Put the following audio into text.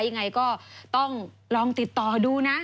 ยังไงก็ต้องลองติดต่อดูนะ